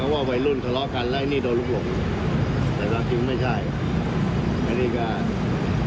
พี่อุ๋ยพ่อจะบอกว่าพ่อจะรับผิดแทนลูก